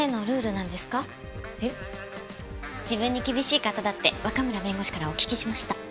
自分に厳しい方だって若村弁護士からお聞きしました。